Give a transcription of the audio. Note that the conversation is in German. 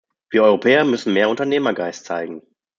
Wir Europäer müssen mehr Unternehmergeist zeigen.